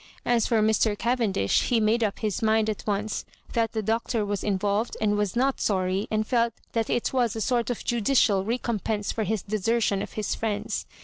As for Mr. Cavendish, he made up his mind at onoe that the Doctor was involved, and was not sorry, and felt that it was a sort of judicial recompense for his desertion of his friends.